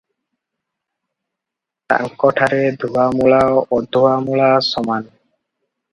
ତାଙ୍କଠାରେ ଧୁଆ ମୂଳା ଅଧୁଆ ମୂଳା ସମାନ ।